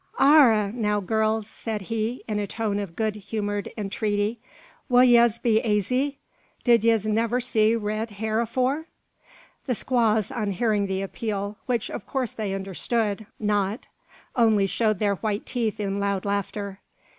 "Arrah, now, girls," said he, in a tone of good humoured intreaty, "will yez be aizy? Did yez niver see rid hair afore?" The squaws, on hearing the appeal, which of course they understood not, only showed their white teeth in loud laughter.